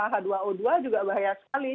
h dua o dua juga bahaya sekali